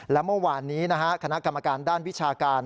และเมื่อวานนี้คณะกรรมการด้านวิชาการ